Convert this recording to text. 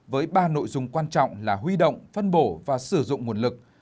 với ba nội dung quan trọng là huy động phân bổ và sử dụng nguồn lực